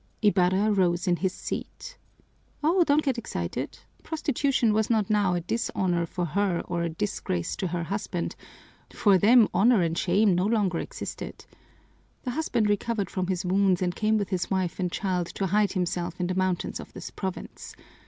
Ibarra rose in his seat. "Oh, don't get excited! Prostitution was not now a dishonor for her or a disgrace to her husband; for them honor and shame no longer existed. The husband recovered from his wounds and came with his wife and child to hide himself in the mountains of this province.